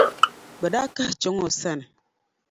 bɛ daa kahi chaŋ o sani.